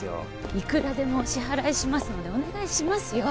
いくらでもお支払いしますのでお願いしますよ